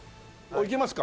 行きますか？